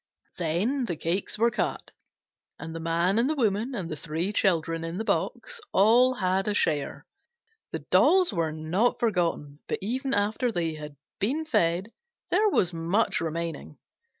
Then the cakes were cut, and the Man and the Woman and the three children in the box all had a share. The dolls were not forgotten, but even after they had been fed there was much remaining.